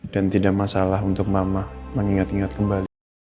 dan tidak masalah untuk mama mengingat ingat kembali